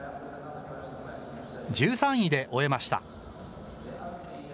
１３位で終えました。